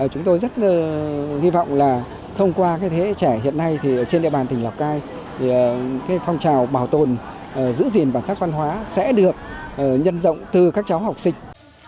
chúng tôi rất hy vọng là thông qua cái thế trẻ hiện nay thì trên địa bàn tỉnh lọc cai thì cái phong trào bảo tồn giữ gìn bản sắc văn hóa sẽ được nhân rộng từ các cháu học sinh